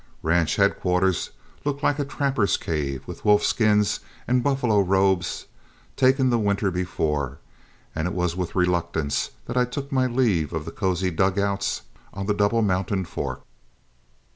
Ranch headquarters looked like a trapper's cave with wolf skins and buffalo robes taken the winter before, and it was with reluctance that I took my leave of the cosy dugouts on the Double Mountain Fork.